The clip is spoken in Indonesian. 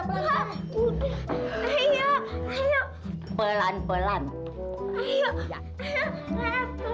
terus sekarang ya